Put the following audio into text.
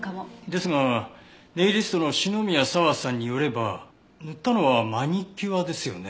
ですがネイリストの篠宮佐和さんによれば塗ったのはマニキュアですよね？